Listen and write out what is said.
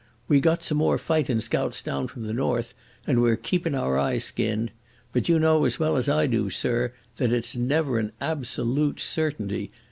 "We got some more fightin' scouts down from the north, and we're keepin' our eyes skinned. But you know as well as I do, sir, that it's never an ab so lute certainty.